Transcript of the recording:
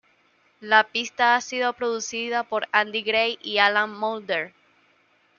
La pista ha sido producida por Andy Gray y Alan Moulder.